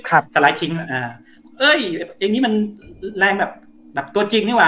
สไลด์ทิ้งอ่าเอ้ยเองนี่มันแรงแบบแบบตัวจริงนี่ว่